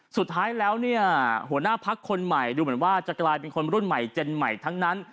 สุดท้ายแล้วเนี่ยหัวหน้าพักคนใหม่ดูเหมือนว่าจะกลายเป็นคนรุ่นใหม่เจนใหม่ทั้งนั้น